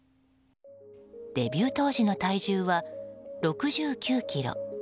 デビュー当時の体重は６９ｋｇ。